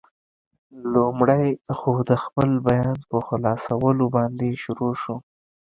لومړی خو، د خپل بیان په خلاصولو باندې شروع شو.